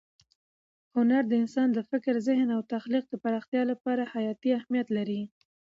هنر د انسان د فکر، ذهن او تخلیق د پراختیا لپاره حیاتي اهمیت لري.